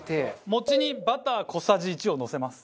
餅にバター小さじ１をのせます。